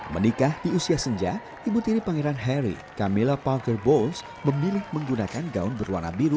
menikah di usia senja ibu tiri pangeran harry camilla pargerbows memilih menggunakan gaun berwarna biru